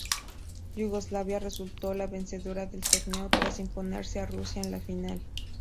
Yugoslavia resultó la vencedora del torneo, tras imponerse a Rusia en la final.